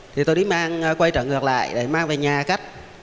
thì tôi đi mang quay trở ngược lại để mang về nhà cất